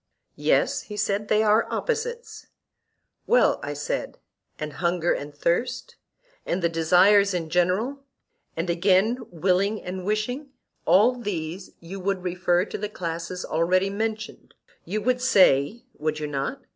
Yes, he said, they are opposites. Well, I said, and hunger and thirst, and the desires in general, and again willing and wishing,—all these you would refer to the classes already mentioned. You would say—would you not?